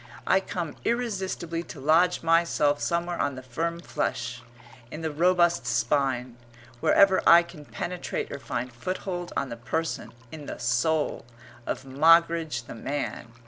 I come irresistibly to lodge myself somewhere on the firm flesh, in the robust spine, wherever I can penetrate or find foothold on the person, in the soul, of Moggridge the man.